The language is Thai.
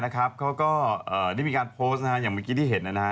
เขาก็ได้มีการโพสต์อย่างเมื่อกี้ที่เห็น